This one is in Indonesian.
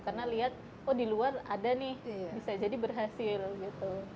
karena lihat oh di luar ada nih bisa jadi berhasil gitu